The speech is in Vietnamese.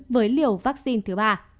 với liều vaccine thứ ba